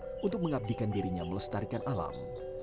cukup bagi keli untuk mengabdikan dirinya melestarikan alam